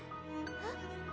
えっ？